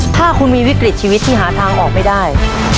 ถ้าคุณมีวิกฤตชีวิตที่หาทางออกไม่ได้